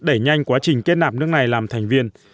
đẩy nhanh quá trình kết nạp nước này làm thành viên